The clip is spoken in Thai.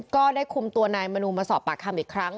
ก็ได้คุมตัวนายมนูมาสอบปากคำอีกครั้ง